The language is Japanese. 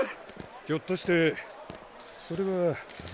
ひょっとしてそれは銭